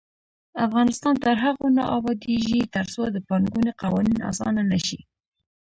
افغانستان تر هغو نه ابادیږي، ترڅو د پانګونې قوانین اسانه نشي.